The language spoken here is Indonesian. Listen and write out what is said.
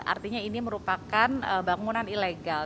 artinya ini merupakan bangunan ilegal